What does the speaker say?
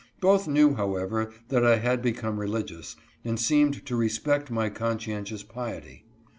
Both knew, however, that I had become religious, and seemed to respect my conscientious piety.